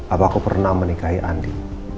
apa aku pernah menikahi andi